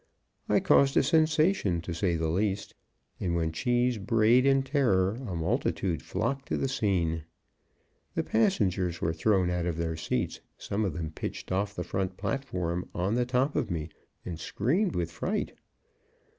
I caused a sensation, to say the least. And when Cheese brayed in terror, a multitude flocked to the scene. The passengers were thrown out of their seats, some of them pitched off the front platform on the top of me, and screamed with fright.